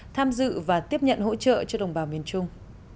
tham dự và tiếp nhận hỗ trợ cho đồng bào miền trung